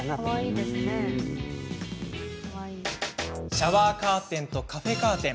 シャワーカーテンとカフェカーテン